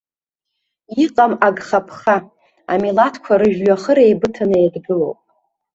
Иҟам агхаԥха, амилаҭқәа рыжәҩахыр еибыҭаны еидгылоуп.